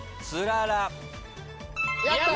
やった！